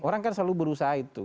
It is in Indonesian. orang kan selalu berusaha itu